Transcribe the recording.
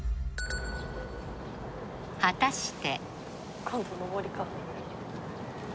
果たして？